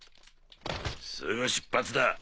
すぐ出発だ。